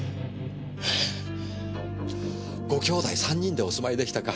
ご兄弟３人でお住まいでしたか。